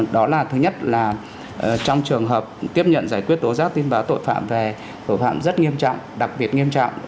đó là thứ nhất là trong trường hợp tiếp nhận giải quyết tố giác tin báo tội phạm về tội phạm rất nghiêm trọng đặc biệt nghiêm trọng